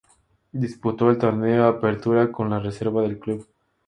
Disputó el Torneo Apertura con la reserva del club.